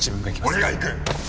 俺が行く！